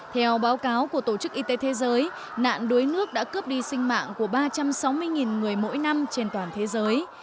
theo báo cáo của tổ chức y tế thế giới nạn đuối nước đã cướp đi sinh mạng của ba trăm sáu mươi người mỗi năm trên toàn thế giới